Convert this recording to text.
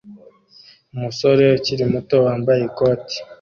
Umusore ukiri muto wambaye ikoti